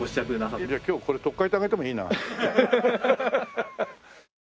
じゃあ今日これ取っ替えてあげてもいいな。